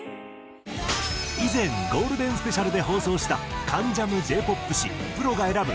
以前ゴールデンスペシャルで放送した『関ジャム』Ｊ−ＰＯＰ史プロが選ぶ